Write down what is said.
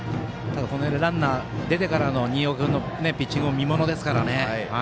ランナー出てからの新岡君のピッチングも見ものですからね。